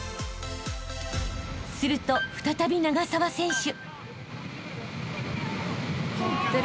［すると再び長沢選手］